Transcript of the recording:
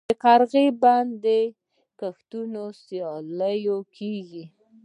د قرغې بند کې د کښتیو سیالي کیږي.